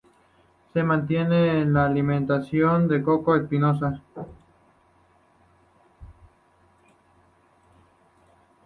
Se mantiene en la animación, el "Coto" Espinoza.